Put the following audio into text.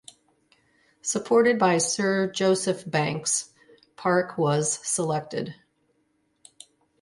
Supported by Sir Joseph Banks, Park was selected.